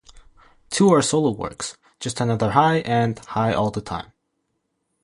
Two are solo works: "Just Another High" and "High All The Time".